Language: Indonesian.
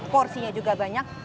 porsinya juga banyak